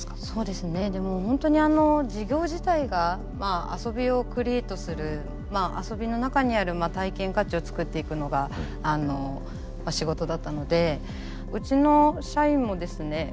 そうですねでも本当に事業自体が遊びをクリエートするまあ遊びの中にある体験価値を作っていくのが仕事だったのでうちの社員もですね